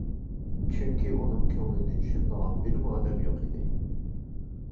چۈنكى ئۇنىڭ كۆڭلىنى چۈشىنىدىغان بىرمۇ ئادەم يوق ئىدى.